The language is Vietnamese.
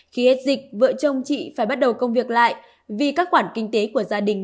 khi hết dịch vợ chồng chị phải bắt đầu công việc lại vì các khoản kinh tế của gia đình